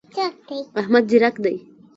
احمد ځیرک دی.